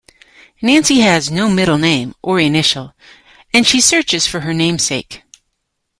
Nancy has no middle name or initial and she searches for her namesake.